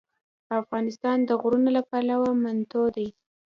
افغانستان د غرونه له پلوه متنوع دی.